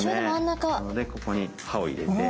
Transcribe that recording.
なのでここに刃を入れて。